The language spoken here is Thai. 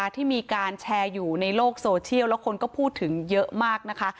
ที่มีการแชร์อยู่ในโลกโซเชียลแล้วคนก็พูดถึงเยอะมากนะคะ